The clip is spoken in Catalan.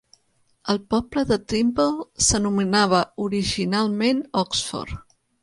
El poble de Trimble s'anomenava originalment Oxford.